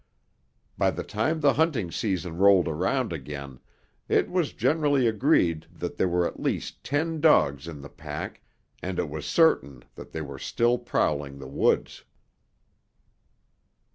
By the time the hunting season rolled around again, it was generally agreed that there were at least ten dogs in the pack and it was certain that they were still prowling the woods.